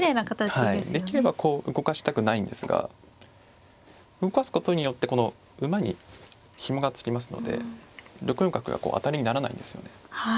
はいできればこう動かしたくないんですが動かすことによってこの馬にひもが付きますので６四角がこう当たりにならないんですよね。